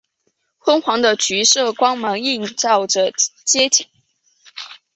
昏黄的橘色光芒映照着街景